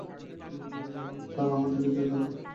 Sir, আমাকে যেতে দিন, স্যার।